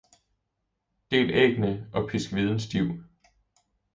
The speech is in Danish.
Del æggene og pisk hviden stiv.